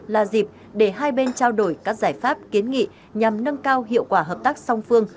là dịp để hai bên trao đổi các giải pháp kiến nghị nhằm nâng cao hiệu quả hợp tác song phương